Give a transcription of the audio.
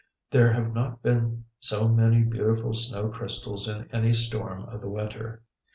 There have not been so many beautiful snow crystals in any storm of the winter.